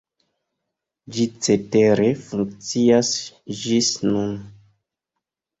Ĝi cetere funkcias ĝis nun.